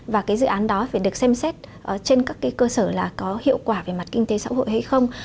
và cái dự án đó phải được xem xét trên các cái cơ sở là có hiệu quả về mặt kinh tế xã hội hay không